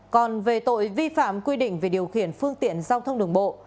còn về tội vi phạm quy định về điều khiển phương tiện giao thông đường bộ